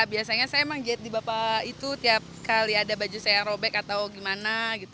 biasanya saya emang jahit di bapak itu tiap kali ada baju saya yang robek atau gimana